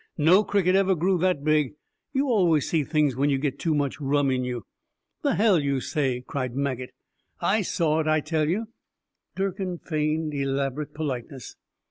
No cricket ever grew that big. You always see things when you get too much rum in you." "The hell you say," cried Maget. "I saw it, I tell you!" Durkin feigned elaborate politeness.